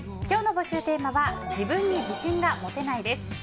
今日の募集テーマは自分に自信がもてない！です。